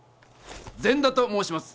善田ともうします。